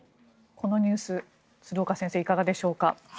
このニュース鶴岡先生、いかがでしょうか。